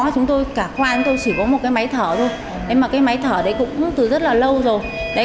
chúng tôi cả khoan tôi chỉ có một cái máy thở thôi nhưng mà cái máy thở đấy cũng từ rất là lâu rồi